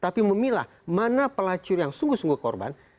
tapi memilah mana pelacur yang sungguh sungguh korban